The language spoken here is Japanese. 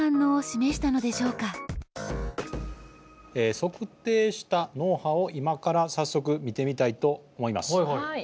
測定した脳波を今から早速見てみたいと思います。